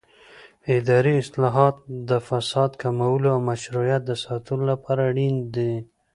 اداري اصلاحات د فساد کمولو او مشروعیت د ساتلو لپاره اړین دي